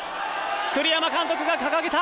栗山監督が掲げた！